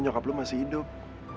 nyokap lo masih hidup